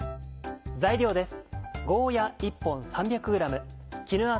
材料です。